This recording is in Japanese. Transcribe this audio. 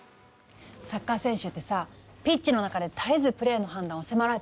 サッカー選手ってさピッチの中で絶えずプレーの判断を迫られてるのよ。